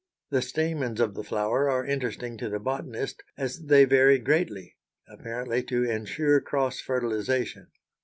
The stamens of the flower are interesting to the botanist as they vary greatly, apparently to insure cross fertilization.